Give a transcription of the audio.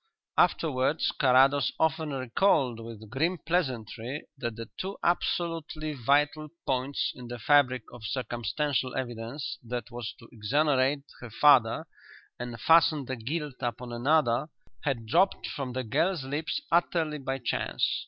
Afterwards Carrados often recalled with grim pleasantry that the two absolutely vital points in the fabric of circumstantial evidence that was to exonerate her father and fasten the guilt upon another had dropped from the girl's lips utterly by chance.